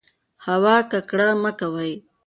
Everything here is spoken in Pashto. هوا ککړه مه کوئ.